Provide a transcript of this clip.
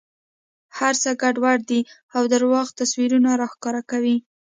هر څه ګډوډ دي او درواغ تصویرونه را ښکاره کوي.